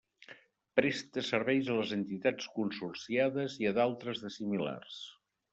Presta serveis a les entitats consorciades i a d’altres de similars.